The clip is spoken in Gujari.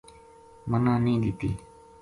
منا نی دِتی